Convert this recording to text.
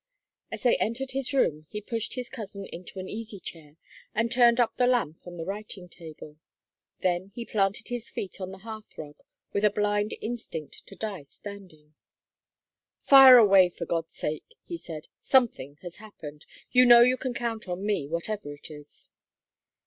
As they entered his room he pushed his cousin into an easy chair and turned up the lamp on the writing table. Then he planted his feet on the hearth rug with a blind instinct to die standing. "Fire away, for God's sake," he said. "Something has happened. You know you can count on me, whatever it is."